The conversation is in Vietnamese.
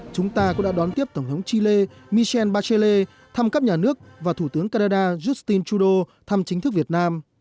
chúng ta cũng đã đón tiếp tổng thống chile michel bachelle thăm cấp nhà nước và thủ tướng canada justin trudeau thăm chính thức việt nam